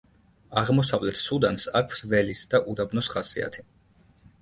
აღმოსავლეთ სუდანს აქვს ველის და უდაბნოს ხასიათი.